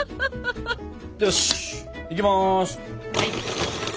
よしいきます！